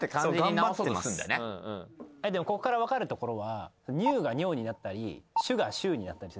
ここから分かるところは。